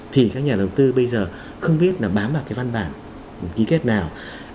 thì các nhà đầu tư bây giờ không biết là bám vào cái văn bản ký kết nào